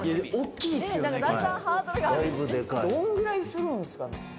どんぐらいするんすかね？